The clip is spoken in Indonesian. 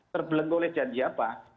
terbelenggu oleh janji apa